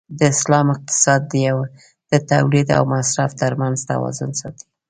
د اسلام اقتصاد د تولید او مصرف تر منځ توازن ساتي.